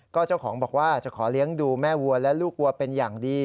ก็เจ้าของบอกว่าจะขอเลี้ยงดูแม่วัวและลูกวัวเป็นอย่างดี